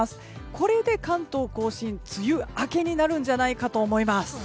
これで関東・甲信梅雨明けになるんじゃないかと思います。